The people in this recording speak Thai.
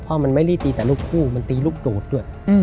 เพราะมันไม่ได้ตีแต่ลูกคู่มันตีลูกตูดด้วย